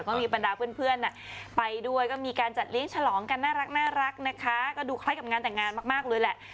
ก็มีบรรดาเพื่อนไปด้วยก็มีการจัดเลี้ยงฉลองกันน่ารักนะคะก็ดูคล้ายกับงานแต่งงานมากเลยแหละ